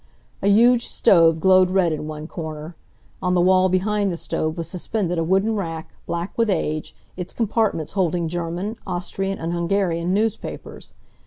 A huge stove glowed red in one corner. On the wall behind the stove was suspended a wooden rack, black with age, its compartments holding German, Austrian and Hungarian newspapers.